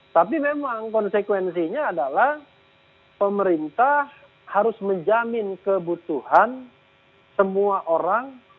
tapi memang konsekuensinya adalah pemerintah harus menjamin kebutuhan semua orang